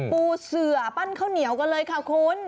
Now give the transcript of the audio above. ปูเสือปั้นข้าวเหนียวกันเลยค่ะคุณ